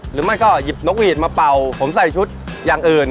หรือไม่ก็หยิบนกหวีดมาเป่าผมใส่ชุดอย่างอื่น